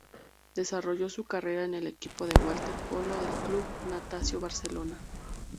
Desarrolló su carrera en el equipo de waterpolo del Club Natació Barcelona.